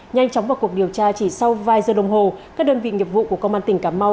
nhanh chóng vào cuộc điều tra chỉ sau vài giờ đồng hồ các đơn vị nghiệp vụ của công an tỉnh cà mau